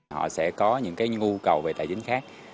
họ sẽ có những cái nhu cầu về tài chính khác